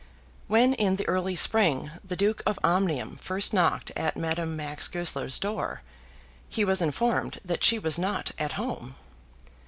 When in the early spring the Duke of Omnium first knocked at Madame Max Goesler's door, he was informed that she was not at home.